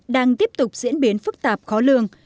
đang tiếp tục diễn biến phức tạp khó lương